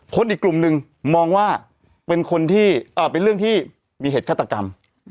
คนอีกกลุ่มนึงมองว่าเป็นเรื่องที่มีเหตุฆาตกรรม